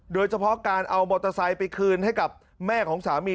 โดยเฉพาะการเอามอเตอร์ไซค์ไปคืนให้กับแม่ของสามี